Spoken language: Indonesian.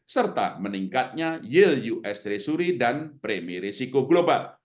serta meningkatnya yield us treasury dan premi risiko global